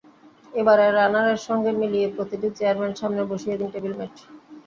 এবারের রানারের সঙ্গে মিলিয়ে প্রতিটি চেয়ারের সামনে বসিয়ে দিন টেবিল ম্যাট।